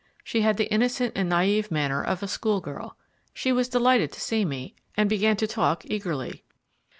She had the innocent and naïve manner of a schoolgirl. She was delighted to see me, and began to talk eagerly.